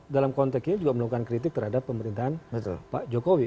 dalam konteks ini juga melakukan kritik terhadap pemerintahan pak jokowi